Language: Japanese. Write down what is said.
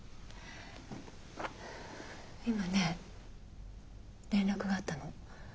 今ね連絡があったの。